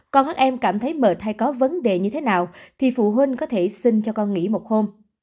còn các em cảm thấy mệt hay có vấn đề như thế nào thì phụ huynh có thể xin cho con nghỉ một hôm